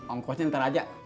ongkosnya ntar aja